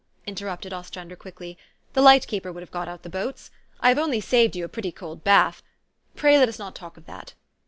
interrupted Ostrander quickly. " The light keeper would have got out the boats. I have only saved you a pretty cold bath. Pray let us not talk of that.